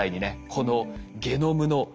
このゲノムの意味